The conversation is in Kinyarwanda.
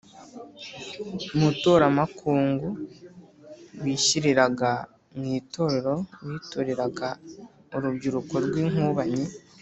mutoramakungu: wishyiriraga mu itorero, witoreraga urubyiruko rw’inkubanyi